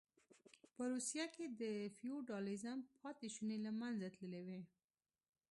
په روسیه کې د فیوډالېزم پاتې شوني له منځه تللې وې